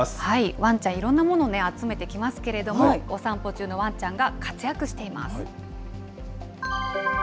ワンちゃん、いろんなもの集めてきますけども、お散歩中のワンちゃんが活躍しています。